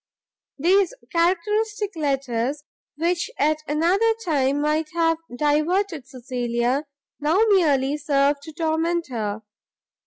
These characteristic letters, which at another time might have diverted Cecilia, now merely served to torment her.